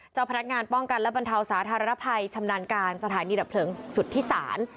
เจ้าพนักงานป้องกันและบรรเทาสาธารณภัยชำนาญการสถานีดับเพลิงสุธิศาล